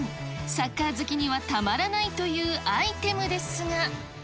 サッカー好きにはたまらないというアイテムですが。